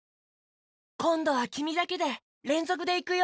こんどはきみだけでれんぞくでいくよ！